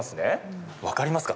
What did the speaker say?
分かりますか。